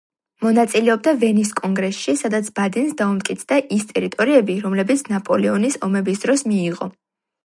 მონაწილეობდა ვენის კონგრესში, სადაც ბადენს დაუმტკიცდა ის ტერიტორიები, რომლებიც ნაპოლეონის ომების დროს მიიღო.